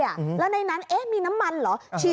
แล้วในนั้นมีน้ำมันเหรอ